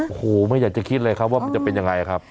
โอ้โหไม่อยากจะคิดเลยครับว่ามันจะเป็นยังไงครับ